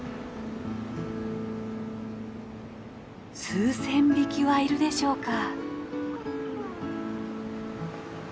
数千匹はいるでしょうか。